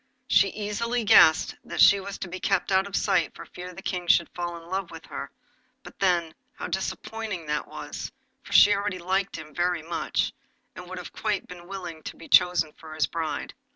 She easily guessed that she was to be kept out of sight for fear the King should fall in love with her; but then, how disappointing that was, for she already liked him very much, and would have been quite willing to be chosen for his bride!